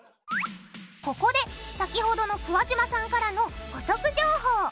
ここで先ほどの桑島さんからの補足情報。